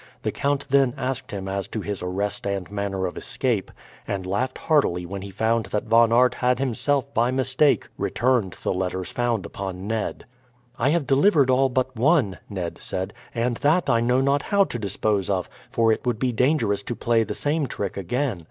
The count then asked him as to his arrest and manner of escape, and laughed heartily when he found that Von Aert had himself by mistake returned the letters found upon Ned. "I have delivered all but one," Ned said. "And that I know not how to dispose of, for it would be dangerous to play the same trick again.